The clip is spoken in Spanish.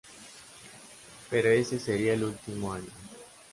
Pero ese sería el último año.